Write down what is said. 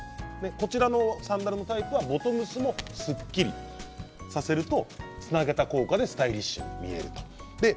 こちらのサンダルのタイプはボトムスもすっきりさせるとつなげた効果スタイリッシュになるということです。